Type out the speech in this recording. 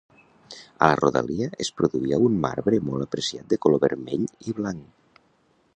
A la rodalia, es produïa un marbre molt apreciat de color vermell i blanc.